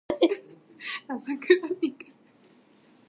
あさくらみくる